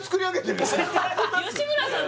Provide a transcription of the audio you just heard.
吉村さん